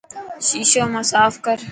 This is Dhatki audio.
ششو مان ساف ڪر.